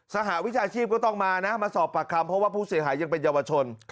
สหวิชาชีพก็ต้องมานะมาสอบปากคำเพราะว่าผู้เสียหายยังเป็นเยาวชน